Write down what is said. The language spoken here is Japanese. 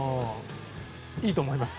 いいと思います。